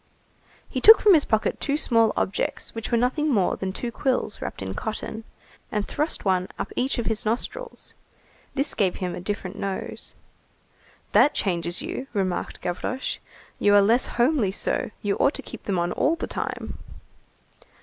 He took from his pocket two small objects which were nothing more than two quills wrapped in cotton, and thrust one up each of his nostrils. This gave him a different nose. "That changes you," remarked Gavroche, "you are less homely so, you ought to keep them on all the time."